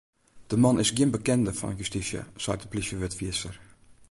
De man is gjin bekende fan justysje, seit in plysjewurdfierster.